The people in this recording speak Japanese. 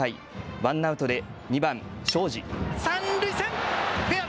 ワンアウトで２番・東海林。